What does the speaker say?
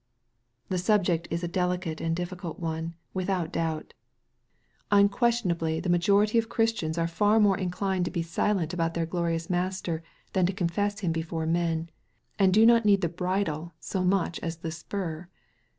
The subject is a delicate and difficult one, without doubt. Unquestionably the majority of Christians are far MARK, CHAP. I, 25 more inclined to be silent about their glorious Master than to confess Him before men and do not need the bridle so much as the spnr.